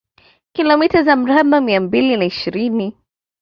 Kilomita za mraba mia mbili na ishirini